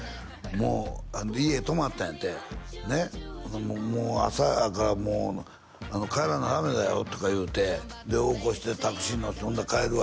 もう家泊まったんやってねっもう「朝やから帰らなダメだよ」とか言うてで起こしてタクシー乗せて「ほんなら帰るわ」